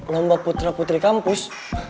lomba putra putri kampus